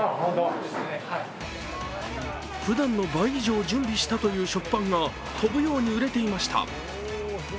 ふだんの倍以上準備したという食パンが飛ぶように売れていました。